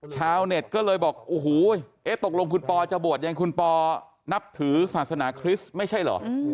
ชาวเน็ตก็เลยบอกโอ้โหตกลงคุณปอจะบวชอย่างคุณปอนับถือศาสนาคริสต์ไม่ใช่เหรอ